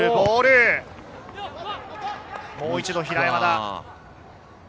もう一度平山。